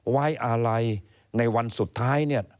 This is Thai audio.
ไว้อาลัยในวันสุดท้าย